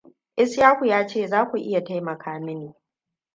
Ishaku ya ce za ku iya taimaka mini.